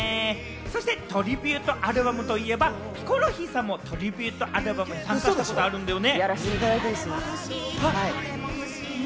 そしてトリビュートアルバムといえば、ヒコロヒーさんもトリビュートアルバム参加したことあるんだよね？